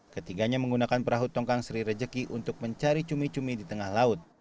ketiganya menggunakan perahu tongkang sri rejeki untuk mencari cumi cumi di tengah laut